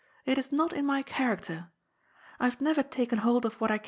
" It is not in my character. I have never taken hold of what I cannot touch.